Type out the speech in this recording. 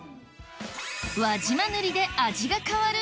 輪島塗で味が変わる？